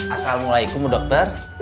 assalamualaikum bu dokter